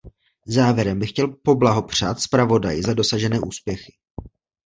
Závěrem bych chtěl poblahopřát zpravodaji za dosažené úspěchy.